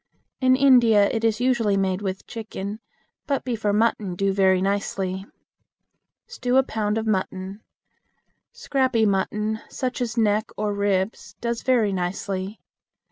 In India it is usually made with chicken, but beef or mutton do very nicely. Stew a pound of mutton. Scrappy mutton, such as neck or ribs, does very nicely.